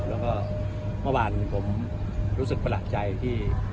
แล้วก็เมื่อวานผมรู้สึกประหลาดใจที่